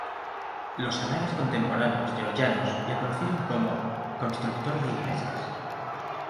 Los anales contemporáneos Georgianos le conocieron como "constructor de iglesias".